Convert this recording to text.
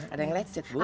ada yang lecet bu